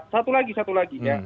satu lagi satu lagi